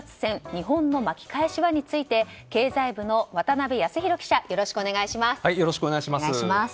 日本の巻き返しはについて経済部の渡辺康弘記者よろしくお願いします。